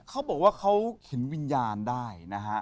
เขาบอกว่าเขาเข็นวิญญาณได้นะฮะ